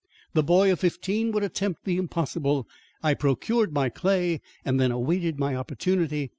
The boy of fifteen would attempt the impossible. I procured my clay and then awaited my opportunity.